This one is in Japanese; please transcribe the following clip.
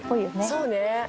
そうね。